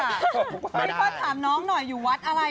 พี่โป๊ดถามน้องหน่อยอยู่วัดอะไรเนี่ย